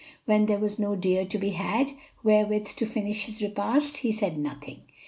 When there was no deer to be had wherewith to finish his repast, he said nothing.